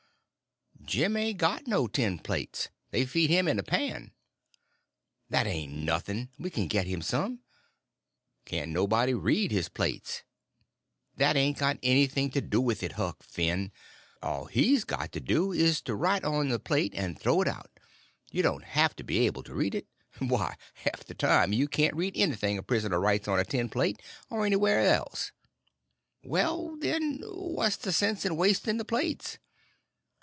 "Jim ain't got no tin plates. They feed him in a pan." "That ain't nothing; we can get him some." "Can't nobody read his plates." "That ain't got anything to do with it, Huck Finn. All he's got to do is to write on the plate and throw it out. You don't have to be able to read it. Why, half the time you can't read anything a prisoner writes on a tin plate, or anywhere else." "Well, then, what's the sense in wasting the plates?"